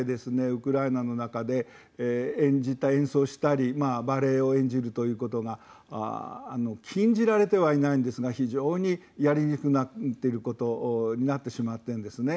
ウクライナの中で演じたり演奏したりバレエを演じるということが禁じられてはいないんですが非常に、やりにくくなっているということになってしまっているんですね。